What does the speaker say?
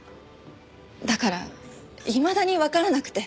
だからいまだにわからなくて。